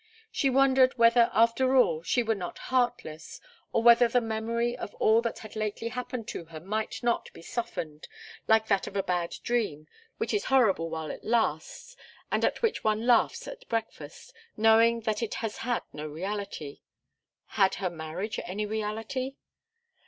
She wondered whether, after all, she were not heartless, or whether the memory of all that had lately happened to her might not be softened, like that of a bad dream, which is horrible while it lasts, and at which one laughs at breakfast, knowing that it has had no reality. Had her marriage any reality?